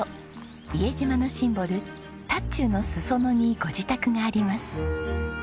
伊江島のシンボルタッチューの裾野にご自宅があります。